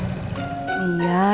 tung kemus pulang